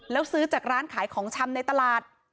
แล้วซื้อจากร้านขายของชำในตลาด